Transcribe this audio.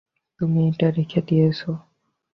তুমি এটা রেখে দিয়েছ।